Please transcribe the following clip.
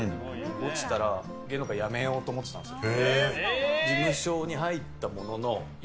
落ちたら芸能界辞めようと思ってたんですよ。